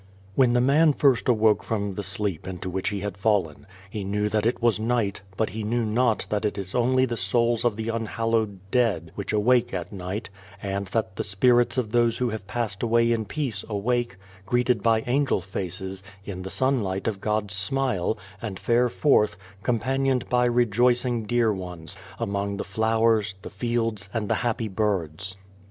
When the man first awoke from the sleep into which he had fallen, he knew that it was night, but he knew not that it is only the souls of the unhallowed dead which awake at night, and that the spirits of those who have passed away in peace awake greeted by angel faces in the sun light of God's smile, and fare forth, com panioned by rejoicing dear ones, among the flowers, the fields, and the happy birds.